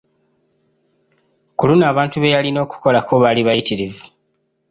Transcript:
Ku luno abantu be yalina okukolako, baali bayitirivu.